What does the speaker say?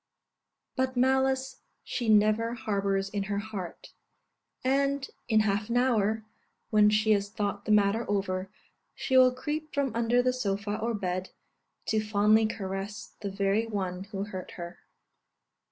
But malice she never harbours in her heart; and in half an hour, when she has thought the matter over, she will creep from under the sofa or bed, to fondly caress the very one who hurt her.